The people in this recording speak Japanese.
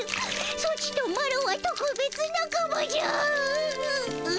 ソチとマロはとくべつなかまじゃ。